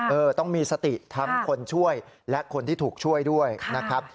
เออต้องมีสติทั้งคนช่วยและคนที่ถูกช่วยด้วยนะครับ